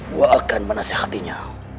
gue akan menasehatinya